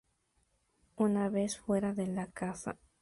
Una vez fuera de la casa.